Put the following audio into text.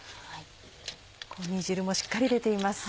煮汁もしっかり出ています。